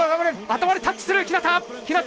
頭でタッチする日向。